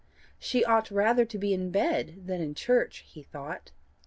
She ought rather to be in bed than in church, he thought.